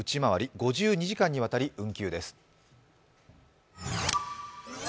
５２時間にわたり運休です。